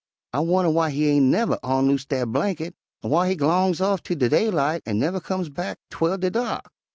I wunner w'y he ain' nuver onloose dat blankit, an' w'y he g'longs off 'fo' de daylight an' nuver comes back 'twel de dark.'